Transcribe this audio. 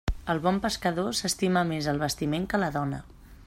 El bon pescador s'estima més el bastiment que la dona.